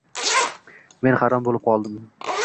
Men hayron boʻlib oldim.